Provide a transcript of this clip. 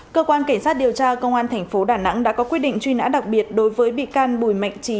cơ quan cảnh sát điều tra công an tp đà nẵng đã có quyết định truy nã đặc biệt đối với bị can bùi mạnh trí